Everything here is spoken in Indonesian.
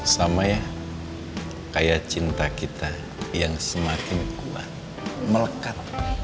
sama ya kaya cinta kita yang semakin kuat melekat